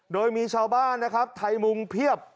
โดยมีชาวบ้านนะครับไทยมุงเพียบ